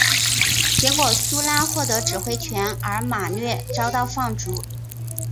结果苏拉获得指挥权而马略遭到放逐。